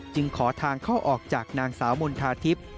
จึงขอทางเข้าออกจากนางสาวมณฑาธิบ